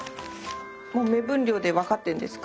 もう目分量で分かってるんですか？